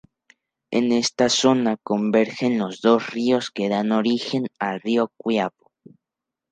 En esta zona convergen los dos ríos que dan origen al río Quiapo.